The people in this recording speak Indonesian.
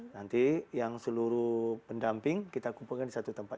nanti yang seluruh pendamping kita kumpulkan di satu tempat